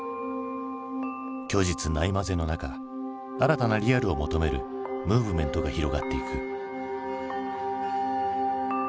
虚実ないまぜの中新たなリアルを求めるムーブメントが広がっていく。